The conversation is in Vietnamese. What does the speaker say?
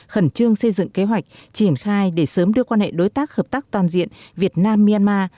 khẩn trương xây dựng kế hoạch triển khai để sớm đưa quan hệ đối tác hợp tác toàn diện việt nam myanmar